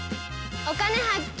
「お金発見」。